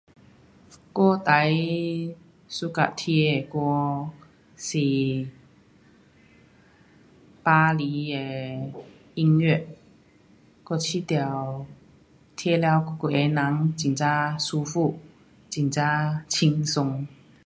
我最 suka 听的歌是巴黎的音乐，我觉得听了我整个人很呀舒服，很呀轻松。